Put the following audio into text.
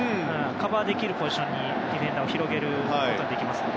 カバーできるポジションにディフェンダーを広げることができるので。